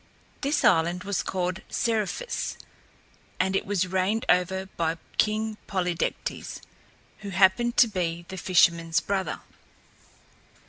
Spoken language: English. This island was called Seriphus and it was reigned over by King Polydectes, who happened to be the fisherman's brother.